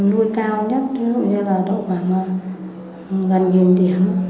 nó nuôi cao nhất ví dụ như là độ khoảng gần nghìn điểm